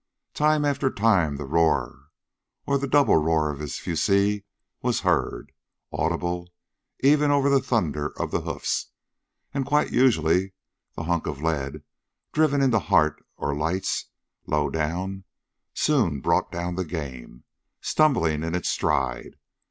Time after time the roar or the double roar of his fusee was heard, audible even over the thunder of the hoofs; and quite usually the hunk of lead, driven into heart or lights, low down, soon brought down the game, stumbling in its stride.